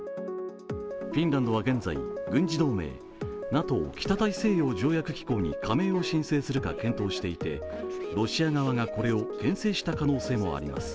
フィンランドは現在、軍事同盟ＮＡＴＯ＝北大西洋条約機構に加盟を申請するか検討していてロシア側がこれをけん制した可能性もあります。